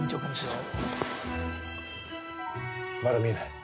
まだ見えない。